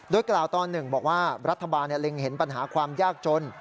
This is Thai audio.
โดยกล่าวตอนหนึ่งบอกว่ารัฐบาลเล็งเห็นปัญหาความยากจน